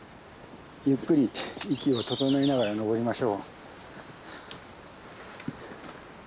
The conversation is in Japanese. ゆっくり息を整えながら登りましょう。